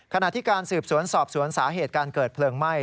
ขณะที่การสืบสวนสอบสวนสาเหตุการเกิดเพลิงไหม้